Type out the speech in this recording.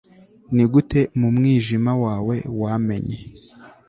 nigute, mu mwijima wawe, wamenye